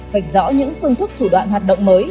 vạch rõ những phương thức thủ đoạn hoạt động mới